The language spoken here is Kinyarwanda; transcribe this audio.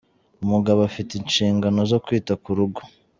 Umugabo afite inshingano zo kwita ku rugo.